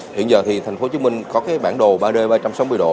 hiện giờ thì thành phố hồ chí minh có cái bản đồ ba d ba trăm sáu mươi độ